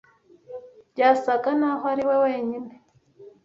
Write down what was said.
Byasaga naho ari we wenyine